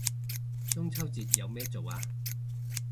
中秋節有咩做啊